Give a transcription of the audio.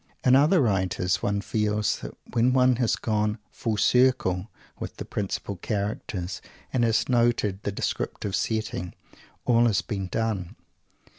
In other writers one feels that when one has gone "full circle" with the principal characters, and has noted the "descriptive setting" all has been done.